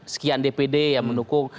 sekian dpd yang mendukung